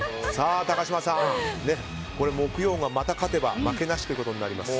高嶋さん、これ木曜がまた勝てば負けなしということになります。